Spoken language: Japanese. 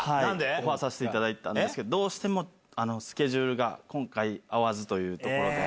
オファーさせていただいたんですけど、どうしてもスケジュールが、今回、合わずというところで。